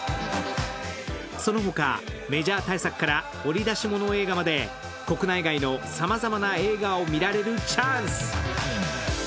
その他、メジャー大作から掘り出し物映画まで国内外のさまざまな映画を見られるチャンス。